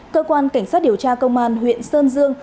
cơ quan cảnh sát điều tra công an huyện sơn dương